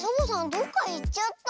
どっかいっちゃった。